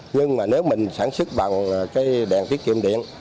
nhưng mà nếu mình sản xuất bằng cái đèn tiết kiệm điện